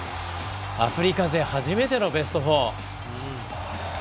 アフリカ勢初めてのベスト４。